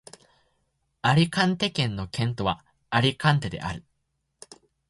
アリカンテ県の県都はアリカンテである